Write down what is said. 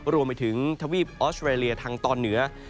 รวมไปถึงทะวีบเออสต์เวอรี่ยนทางตอนเหนือ